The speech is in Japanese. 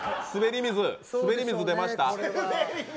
すべり水、出ました。